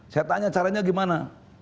saya tanya caranya gimana